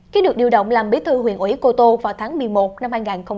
khi được điều động làm bí thư huyện ủy cô tô vào tháng một mươi một năm hai nghìn một mươi chín